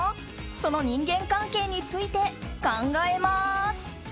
その人間関係について考えます。